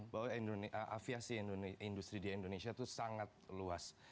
bahwa aviasi industri di indonesia itu sangat luas